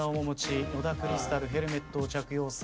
野田クリスタルヘルメットを着用。